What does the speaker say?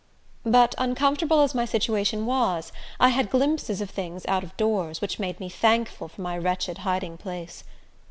But uncomfortable as my situation was, I had glimpses of things out of doors, which made me thankful for my wretched hiding place.